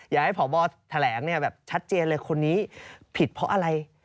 ให้พบแถลงเนี่ยแบบชัดเจนเลยคนนี้ผิดเพราะอะไร